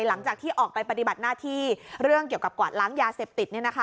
หลังจากที่ออกไปปฏิบัติหน้าที่เรื่องเกี่ยวกับกวาดล้างยาเสพติด